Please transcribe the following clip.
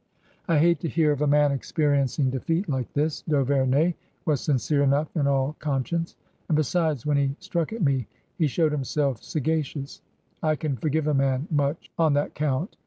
I hate to hear of a man experiencing defeat like this. D'Auverney was sincere enough in all conscience. And besides, when he struck at me he showed himself saga cious. I can forgive a man much on that count.